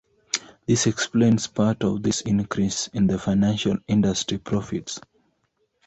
This explains part of this increase in financial industry profits.